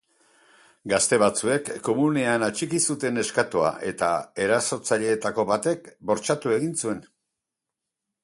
Gazte batzuek komunean atxiki zuten neskatoa eta erasotzaileetako batek bortxatu egin zuen.